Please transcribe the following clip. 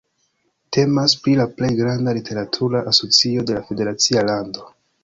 Temas pri la plej granda literatura asocio de la federacia lando.